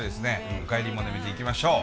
「おかえりモネ」見ていきましょう。